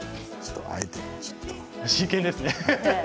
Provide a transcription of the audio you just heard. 真剣ですね。